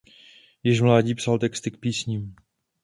Již v mládí psal texty k písním.